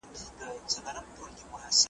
خولگۍ راکه شل کلنی پسرلی رانه تېرېږی .